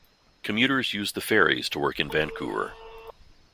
Commuters used the ferries to work in Vancouver.